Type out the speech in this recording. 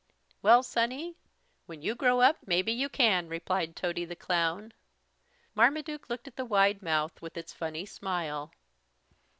"Well, Sonny, when you grow up, maybe you can," replied Tody the Clown. Marmaduke looked at the wide mouth with its funny smile.